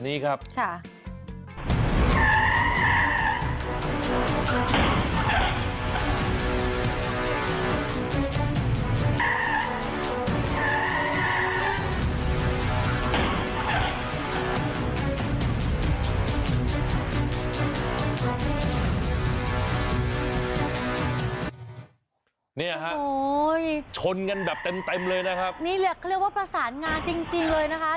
นี่ฮะโอ้ยชนกันแบบเต็มเลยนะครับนี่เรียกเขาเรียกว่าประสานงานจริงจริงเลยนะคะ